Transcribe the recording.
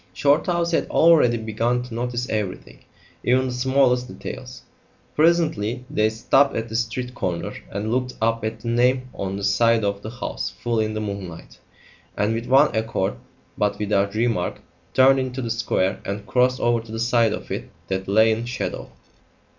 Shorthouse had already begun to notice everything, even the smallest details. Presently they stopped at the street corner and looked up at the name on the side of the house full in the moonlight, and with one accord, but without remark, turned into the square and crossed over to the side of it that lay in shadow.